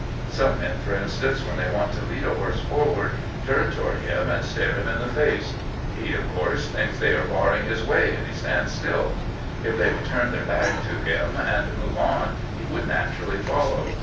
Some men, for instance, when they want to lead a horse forward, turn toward him and stare him in the face. He, of course, thinks they are GBANT'S FONDNESS FOR HOESES 167 barring his way, and he stands stiU. If they would turn their back to him and move on he would naturally fol low.